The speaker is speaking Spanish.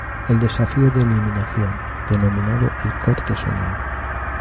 El Desafío de eliminación, denominado "El Corte Soñado".